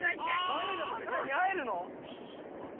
あえるはるちゃんにあえるの？